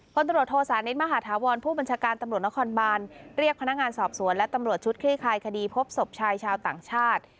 ตำรวจโทษานิทมหาธาวรผู้บัญชาการตำรวจนครบานเรียกพนักงานสอบสวนและตำรวจชุดคลี่คลายคดีพบศพชายชาวต่างชาติ